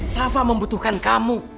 sava membutuhkan kamu